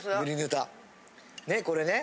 ねこれね。